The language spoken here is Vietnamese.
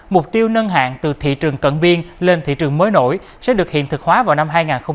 mục tiêu nâng hạng từ thị trường cận biên lên thị trường mới nổi sẽ được hiện thực hóa vào năm hai nghìn hai mươi